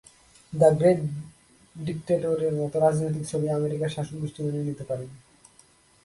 The great ডিক্টেটর-এর মতো রাজনৈতিক ছবি আমেরিকার শাসকগোষ্ঠী মেনে নিতে পারেনি।